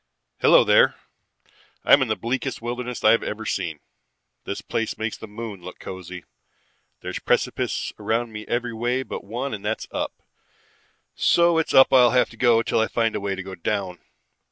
"Hello there. I'm in the bleakest wilderness I've ever seen. This place makes the moon look cozy. There's precipice around me every way but one and that's up. So it's up I'll have to go till I find a way to go down.